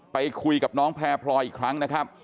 ไปคุยกับน้องแพร่พลอยอีกครั้งนะครับ